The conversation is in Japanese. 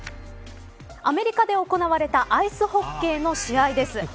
アメリカで行われたアイスホッケーの試合です。